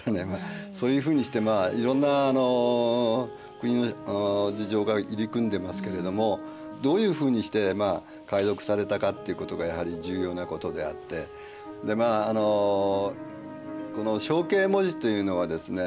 そういうふうにしていろんな国の事情が入り組んでますけれどもどういうふうにして解読されたかっていうことがやはり重要なことであってこの象形文字というのはですね